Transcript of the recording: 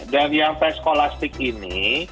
dan yang tes skolastik ini